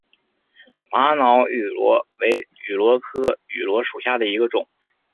玛瑙芋螺为芋螺科芋螺属下的一个种。